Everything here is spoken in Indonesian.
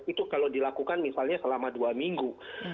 itu kalau dilakukan misalnya selama dua minggu